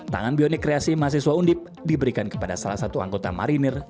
tangan bioni kreasi mahasiswa undip diberikan kepada salah satu anggota marinir